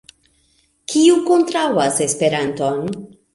Kiu kontraŭas Esperanton?